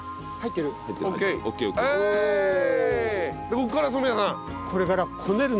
ここから染谷さん。